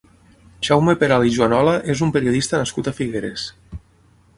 Jaume Peral i Juanola és un periodista nascut a Figueres.